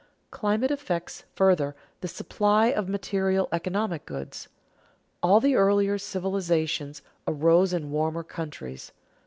Climate affects, further, the supply of material economic goods. All the earlier civilizations arose in warmer countries.